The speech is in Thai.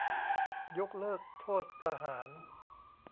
ยกเลิกโทษประหาร ?